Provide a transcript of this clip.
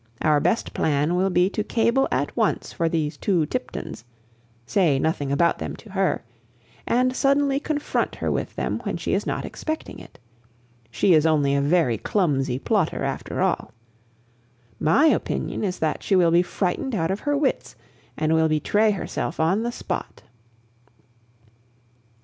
Our best plan will be to cable at once for these two Tiptons, say nothing about them to her, and suddenly confront her with them when she is not expecting it. She is only a very clumsy plotter, after all. My opinion is that she will be frightened out of her wits, and will betray herself on the spot."